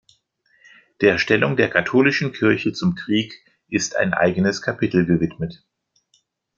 Der Stellung der katholischen Kirche zum Krieg ist ein eigenes Kapitel gewidmet.